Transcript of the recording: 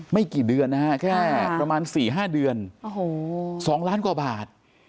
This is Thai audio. ไม่กี่เดือนนะฮะแค่ประมาณ๔๕เดือน๒ล้านกว่าบาท